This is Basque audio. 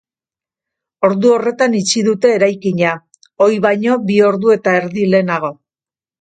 Ordu horretan itxi dute eraikina, ohi baino bi ordu eta erdi lehenago.